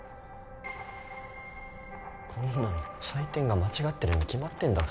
こんなの採点が間違ってるに決まってんだろ